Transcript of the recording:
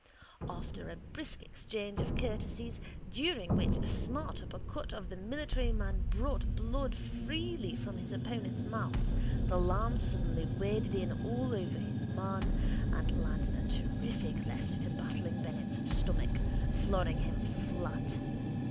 After a brisk exchange of courtesies during which a smart upper cut of the military man brought blood freely from his opponent's mouth the lamb suddenly waded in all over his man and landed a terrific left to Battling Bennett's stomach, flooring him flat.